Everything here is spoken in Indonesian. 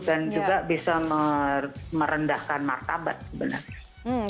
dan juga bisa merendahkan martabat sebenarnya